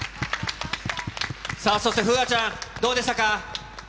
さあ、そして楓空ちゃん、どうでしたか？